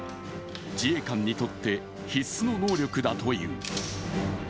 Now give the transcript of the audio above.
自衛官にとって必須の能力だという。